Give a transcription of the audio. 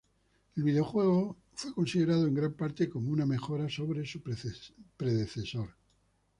El videojuego fue considerado en gran parte como una mejora sobre su predecesor.